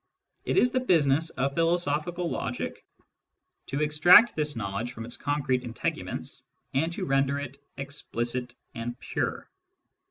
It is the business of philosophical logic to extract this knowledge from its concrete integu ments, and to render it explicit and pure.